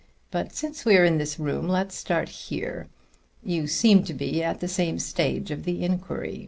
But since we're in this room, let's start here. You seem to be at the same stage of the inquiry.